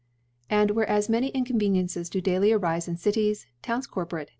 • And whereas many Inconveniences do * dafly arife in Cities, Towns Corporate